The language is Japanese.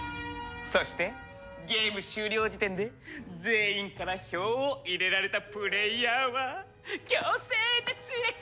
そしてゲーム終了時点で全員から票を入れられたプレイヤーは強制脱落！